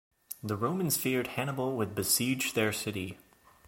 The Romans feared that Hannibal would besiege their city.